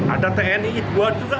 ada tni itu buat juga